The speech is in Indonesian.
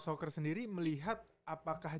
jis walker sendiri melihat apakah